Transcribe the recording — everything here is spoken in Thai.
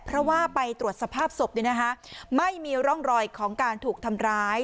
เพราะว่าไปตรวจสภาพศพไม่มีร่องรอยของการถูกทำร้าย